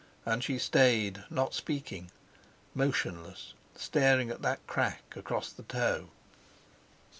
And she stayed, not speaking, motionless, staring at that crack across the toe.